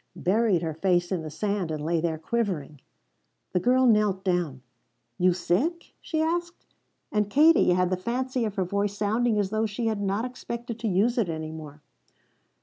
buried her face in the sand and lay there quivering. The girl knelt down. "You sick?" she asked, and Katie had the fancy of her voice sounding as though she had not expected to use it any more.